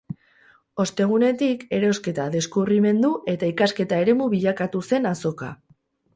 Ostegunetik, erosketa, deskubrimendu eta ikasketa eremu bilakatu zen azoka.